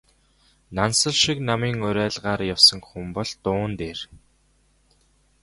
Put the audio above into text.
Нансал шиг намын уриалгаар явсан хүн бол дуун дээр...